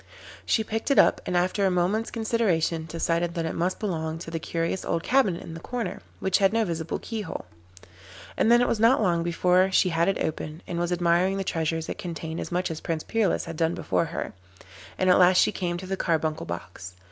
She picked it up, and after a moment's consideration decided that it must belong to the curious old cabinet in the corner, which had no visible keyhole. And then it was not long before she had it open, and was admiring the treasures it contained as much as Prince Peerless had done before her, and at last she came to the carbuncle box.